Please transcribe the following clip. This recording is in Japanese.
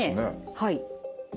はい。